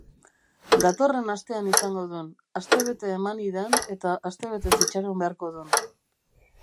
Datorren astean izango dun, astebete eman hidan eta astebetez itxaron beharko dun.